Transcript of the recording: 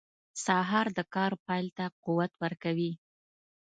سهار د کار پیل ته قوت ورکوي.